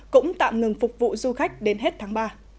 cũng tạm ngừng phục vụ du khách đến hết tháng ba